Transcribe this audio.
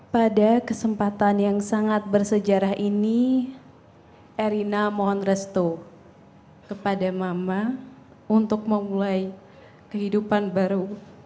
pada kesempatan yang sangat bersejarah ini erina mohon restu kepada mama untuk memulai kehidupan baru